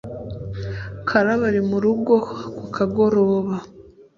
karabo ari mu rugo ku kagoroba.